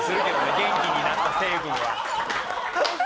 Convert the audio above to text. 元気になった成分は。